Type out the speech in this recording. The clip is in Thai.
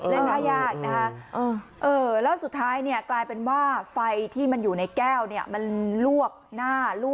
เล่นหน้ายากแล้วสุดท้ายเนี่ยกลายเป็นว่าไฟที่มันอยู่ในแก้วมันลวกหน้า